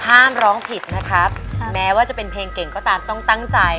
ถ้าห้ามร้องผิดแม้ว่าจะเป็นเพลงเก่งต้องตั้งใจ